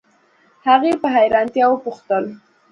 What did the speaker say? هغې په حیرانتیا وپوښتل